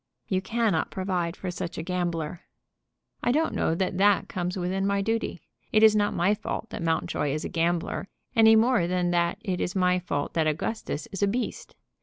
"You cannot provide for such a gambler." "I don't know that that comes within my duty. It is not my fault that Mountjoy is a gambler, any more than that it is my fault that Augustus is a beast.